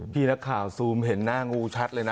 พี่นักข่าวซูมเห็นหน้างูชัดเลยนะ